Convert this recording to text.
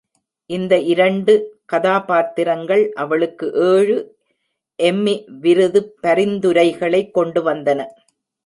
இந்த இரண்டு கதாபாத்திரங்கள் அவளுக்கு ஏழு எம்மி விருது பரிந்துரைகளை கொண்டு வந்தன.